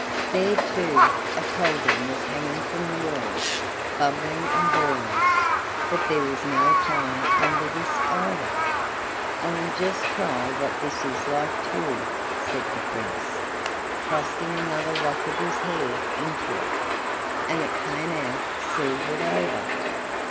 There, too, a cauldron was hanging from the wall, bubbling and boiling, but there was no fire under this either. "I will just try what this is like too," said the Prince, thrusting another lock of his hair into it, and it came out silvered over.